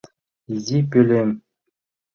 Изи пӧлем.